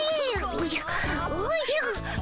おじゃおじゃ。